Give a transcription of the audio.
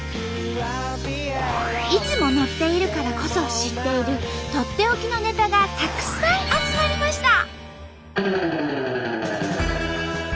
いつも乗っているからこそ知っているとっておきのネタがたくさん集まりました！